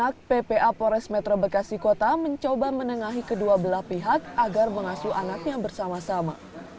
dan anak ppa polres metro bekasi kota mencoba menengahi kedua belah pihak agar mengasuh anaknya bersama sama